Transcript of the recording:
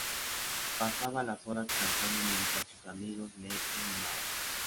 Pasaba las horas cantando mientras sus amigos le animaban.